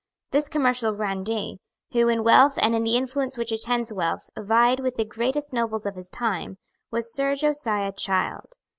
This commercial grandee, who in wealth and in the influence which attends wealth vied with the greatest nobles of his time, was Sir Josiah Child.